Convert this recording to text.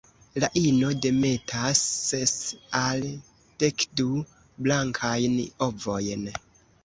La ino demetas ses al dekdu blankajn ovojn.